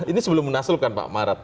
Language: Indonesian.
ini sebelum munasul kan pak maret